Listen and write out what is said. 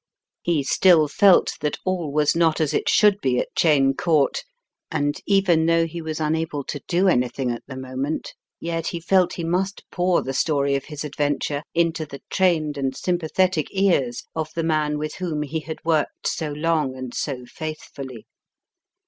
He still felt that all was not as it should be at Cheyne Court, and even though he was unable, to do anything at the moment, yet he felt he must pour the story of his adventure into the trained and sympathetic ears of the man with whom he had worked so long and so faithfully.